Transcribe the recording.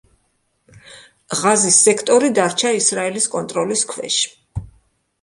ღაზის სექტორი დარჩა ისრაელის კონტროლის ქვეშ.